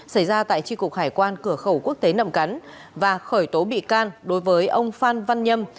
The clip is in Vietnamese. xảy ra tại tri cục hải quan cửa khẩu quốc tế nậm cắn và khởi tố bị can đối với ông phan văn nhâm